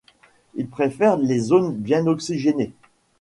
Il préfère les zones bien oxygénées.